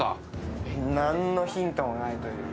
何のヒントもないという。